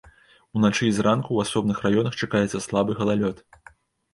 Уначы і зранку ў асобных раёнах чакаецца слабы галалёд.